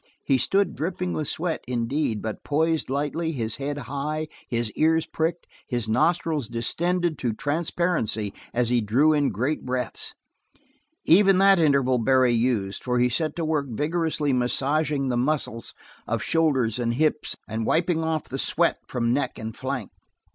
He stood dripping with sweat, indeed, but poised lightly, his head high, his ears pricked, his nostrils distended to transparency as he drew in great breaths. Even that interval Barry used, for he set to work vigorously massaging the muscles of shoulders and hips and whipping off the sweat from neck and flank.